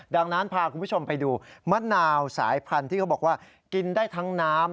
ดังนั้นพาคุณผู้ชมไปดูมะนาวสายพันธุ์ที่เขาบอกว่ากินได้ทั้งน้ำ